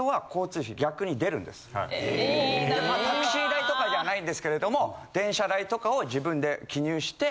タクシー代とかじゃないんですけれども電車代とかを自分で記入して。